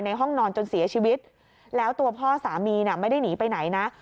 ห้องนอนจนเสียชีวิตแล้วตัวพ่อสามีน่ะไม่ได้หนีไปไหนนะ